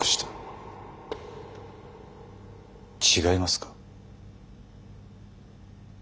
違いますか？